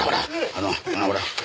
ああほら。